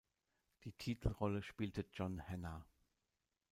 Die Titelrolle spielte John Hannah.